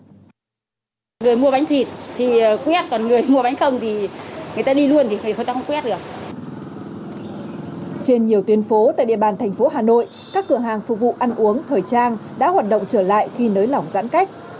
trên nhiều tuyến phố tại địa bàn thành phố hà nội các cửa hàng phục vụ ăn uống thời trang đã hoạt động trở lại khi nới lỏng giãn cách